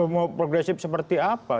mau progresif seperti apa